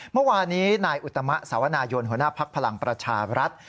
เมื่อวานนี้นายอุตมะสาวนายนหัวหน้าภักดิ์พลังประชารัฐ